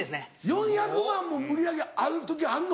４００万も売り上げある時あんの？